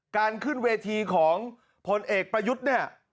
การขึ้นเวทีของผลเอกประยุทธ์เนี่ย